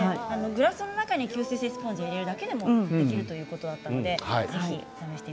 グラスの中に吸水スポンジを入れるだけでもできるということでしたよ。